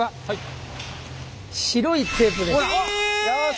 よし！